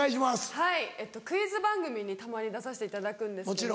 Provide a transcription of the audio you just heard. はいクイズ番組にたまに出させていただくんですけど。